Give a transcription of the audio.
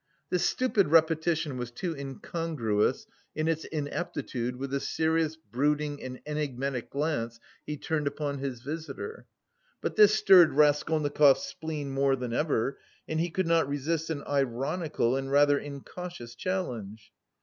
This stupid repetition was too incongruous in its ineptitude with the serious, brooding and enigmatic glance he turned upon his visitor. But this stirred Raskolnikov's spleen more than ever and he could not resist an ironical and rather incautious challenge.